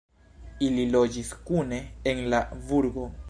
Ili loĝis kune en la burgo.